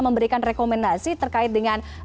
memberikan rekomendasi terkait dengan